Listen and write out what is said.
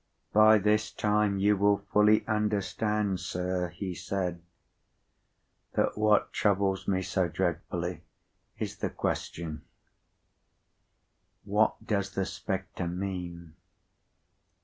"By this time you will fully understand, sir," he said, "that what troubles me so dreadfully, is the question, What does the spectre mean?"